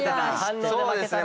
そうですね。